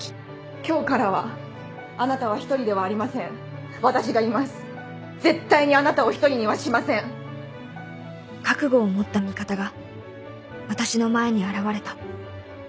今日からはあなたは独りではありません私がいます絶対にあなたを独りにはしません覚悟を持った味方が私の前に現れた